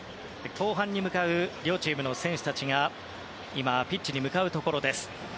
後半に向かう両チームの選手たちが今ピッチに向かうところです。